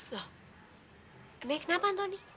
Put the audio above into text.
loh emangnya kenapa antoni